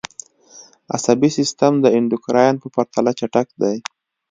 عصبي سیستم د اندوکراین په پرتله چټک دی